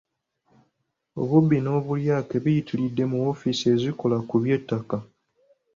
Obubbi n’obulyake biyitiridde mu ofiisi ezikola ku by’ettaka.